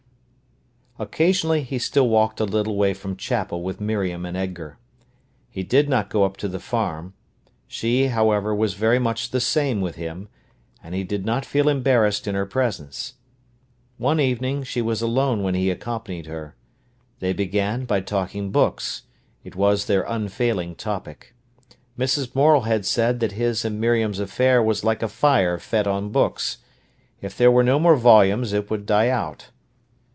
Occasionally he still walked a little way from chapel with Miriam and Edgar. He did not go up to the farm. She, however, was very much the same with him, and he did not feel embarrassed in her presence. One evening she was alone when he accompanied her. They began by talking books: it was their unfailing topic. Mrs. Morel had said that his and Miriam's affair was like a fire fed on books—if there were no more volumes it would die out.